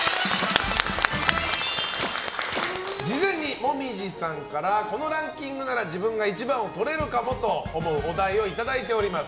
事前に紅葉さんからこのランキングなら自分が１番をとれるかもと思うお題をいただいております。